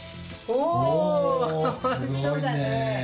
おいしそうだね。